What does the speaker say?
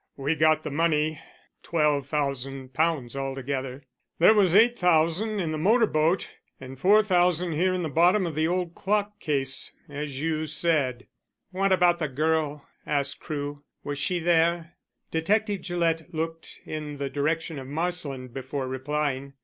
"We got the money £12,000 altogether. There was £8,000 in the motor boat and £4,000 here in the bottom of the old clock case, as you said." "What about the girl?" asked Crewe. "Was she there?" Detective Gillett looked in the direction of Marsland before replying.